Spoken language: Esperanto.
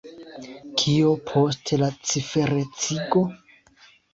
Kio post la ciferecigo?